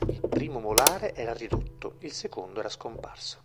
Il primo molare era ridotto, il secondo era scomparso.